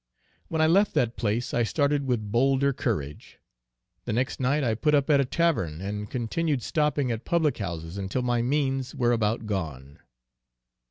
When I left that place I started with bolder courage. The next night I put up at a tavern, and continued stopping at public houses until my means were about gone.